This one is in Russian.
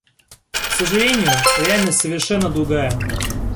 К сожалению, реальность совершенно другая.